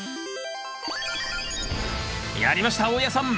やりました大家さん。